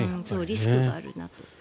リスクがあるなと。